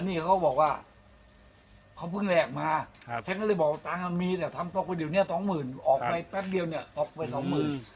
นี่เขาบอกว่าเขาเพิ่งแหลกมาฉันก็เลยบอกว่าตังค์มันมีแต่ทำตกไปเดี๋ยวนี้สองหมื่นออกไปแป๊บเดียวเนี่ยตกไปสองหมื่น